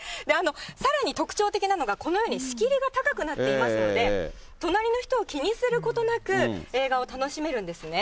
さらに特徴的なのが、このように仕切りが高くなっていますので、隣の人を気にすることなく、映画を楽しめるんですね。